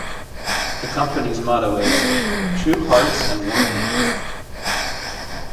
The Company's motto is "True Hearts and Warm Hands".